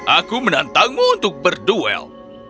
aku menantangmu untuk berduel